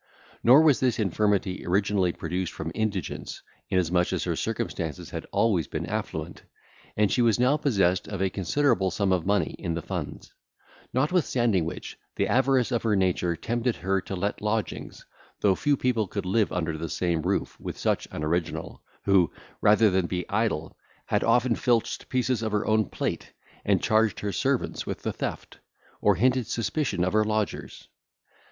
Nor was this infirmity originally produced from indigence, inasmuch as her circumstances had been always affluent, and she was now possessed of a considerable sum of money in the funds; notwithstanding which, the avarice of her nature tempted her to let lodgings, though few people could live under the same roof with such an original, who, rather than be idle, had often filched pieces of her own plate, and charged her servants with the theft, or hinted suspicion of her lodgers.